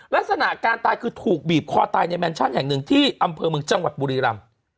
ลักษณะการตายคือถูกบีบคอตายในแมนชั่นแห่งหนึ่งที่อำเภอเมืองจังหวัดบุรีรำ